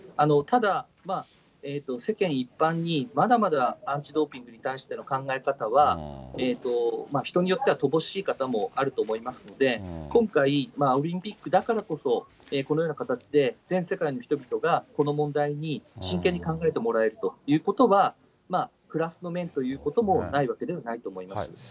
ただ、世間一般にまだまだアンチドーピングに対しての考え方は、人によっては乏しい方もあると思いますので、今回、オリンピックだからこそ、このような形で全世界の方々がこの問題に真剣に考えてもらえるということは、プラスの面ということもないわけではないと思います。